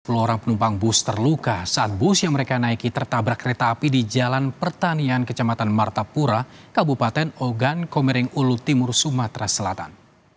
sepuluh orang penumpang bus terluka saat bus yang mereka naiki tertabrak kereta api di jalan pertanian kecamatan martapura kabupaten ogan komering ulu timur sumatera selatan